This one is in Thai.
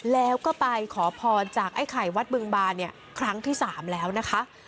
แล้วก็ไปขอพรจากไอ้ไข่วัดบึงบาเนี่ยครั้งที่๓แล้วนะคะ